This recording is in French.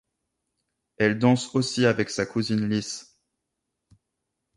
Elle danse aussi avec sa cousine Liz.